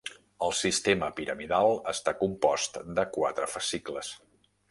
El sistema piramidal està compost de quatre fascicles.